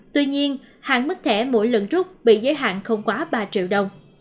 tuy nhiên hàng mất thẻ mỗi lần rút bị giới hạn không quá ba triệu đồng